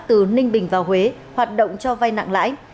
từ ninh bình vào huế hoạt động cho vay nặng lãi